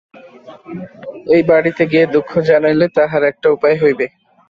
এই বাড়িতে গিয়া দুঃখ জানাইলে তাহার একটা উপায় হইবে।